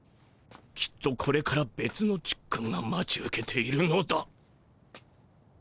きっとこれからべつのちっくんが待ち受けているのだ。